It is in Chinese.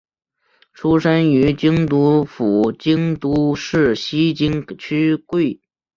出身于京都府京都市西京区桂。